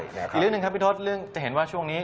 อีกเรื่องหนึ่งครับพี่ทศเรื่องจะเห็นว่าช่วงนี้